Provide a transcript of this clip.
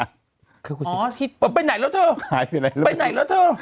หายไปไหนแล้ว